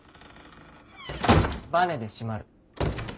バネで閉まる。